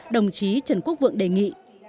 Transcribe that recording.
đồng chí trần quốc vượng đề nghị